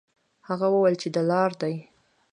هغه وویل چې دلار دي.